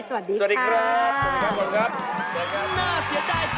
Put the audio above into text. สวัสดีครับสวัสดีครับสวัสดีครับสวัสดีครับ